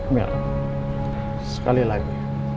mel sekali lagi